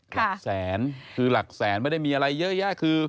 หลักแสนคือหลักแสนไม่ได้มีอะไรเยอะแยะคือ